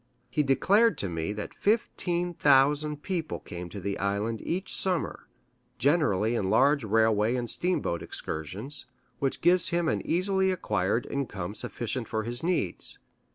He declared to me that fifteen thousand people came to the island each summer, generally in large railway and steamboat excursions, which gives him an easily acquired income sufficient for his needs.